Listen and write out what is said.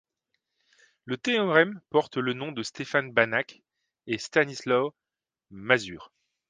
Le théorème porte le nom de Stefan Banach et Stanisław Mazur.